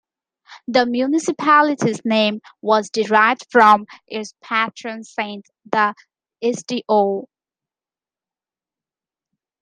The municipality's name was derived from its patron saint, the Sto.